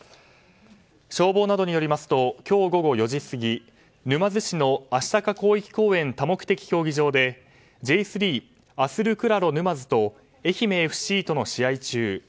消防などによりますと今日午後４時過ぎ沼津市の広域公園多目的競技場でＪ３のチームと愛媛ＦＣとの試合